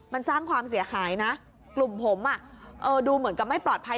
มันสร้างความเสียหายนะกลุ่มผมดูเหมือนกับไม่ปลอดภัย